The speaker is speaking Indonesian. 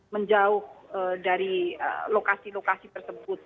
menjauh dari lokasi lokasi tersebut